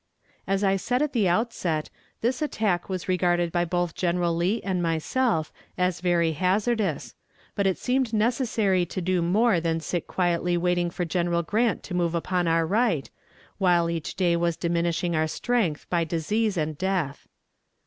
"As I said at the outset, this attack was regarded by both General Lee and myself as very hazardous; but it seemed necessary to do more than sit quietly waiting for General Grant to move upon our right, while each day was diminishing our strength by disease and death.